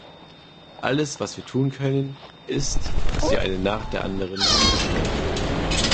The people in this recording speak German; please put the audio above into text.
Alles, was wir tun können, ist, sie eine nach der anderen zu beschreiben.